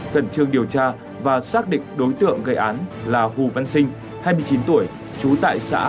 cẩn trương điều tra và xác định đối tượng gây án là hù văn sinh hai mươi chín tuổi